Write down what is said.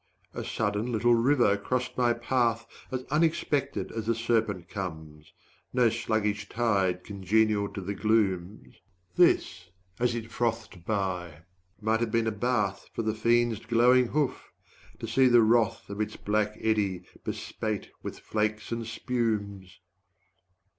A sudden little river crossed my path As unexpected as a serpent comes. 110 No sluggish tide congenial to the glooms; This, as it frothed by, might have been a bath For the fiend's glowing hoof to see the wrath Of its black eddy bespate with flakes and spumes.